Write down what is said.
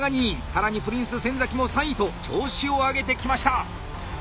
更にプリンス・先も３位と調子を上げてきました！